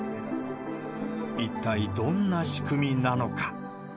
一体どんな仕組みなのか。